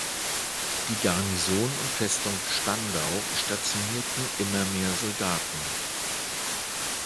Die Garnison und Festung Spandau stationierten immer mehr Soldaten.